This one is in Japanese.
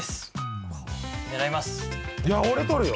いや俺取るよ！